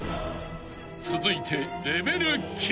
［続いて］